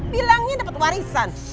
bilangnya dapat warisan